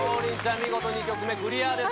見事２曲目クリアです。